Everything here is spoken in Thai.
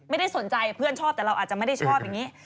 ไม่ได้สนใจเพื่อนชอบแต่เราอาจจะไม่ได้ชอบอย่างนี้